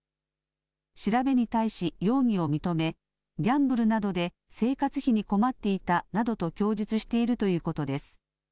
調べに対し容疑を認めギャンブルなどで生活費に困っていたなどと供述しているということです。